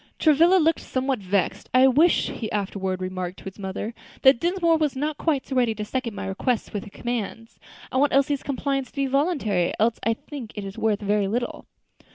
Travilla looked somewhat vexed. "I wish," he afterward remarked to his mother, "that Dinsmore was not quite so ready to second my requests with his commands. I want Elsie's compliance to be voluntary; else I think it worth very little."